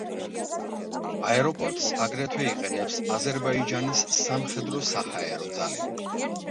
აეროპორტს აგრეთვე იყენებს აზერბაიჯანის სამხედრო-საჰაერო ძალები.